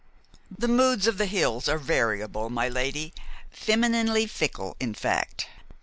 "The moods of the hills are variable, my lady, femininely fickle, in fact.